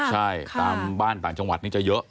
ใช่ตามบ้านต่างจังหวัดนี่จะเยอะ